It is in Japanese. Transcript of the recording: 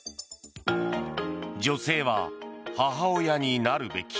女性は母親になるべき。